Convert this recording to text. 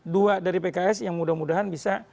dua dari pks yang mudah mudahan bisa